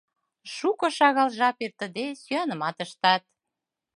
Шуко-шагал жап эртыде, сӱанымат ыштат.